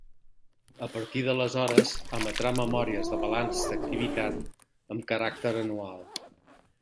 A partir d'aleshores, emetrà memòries de balanç d'activitat amb caràcter anual.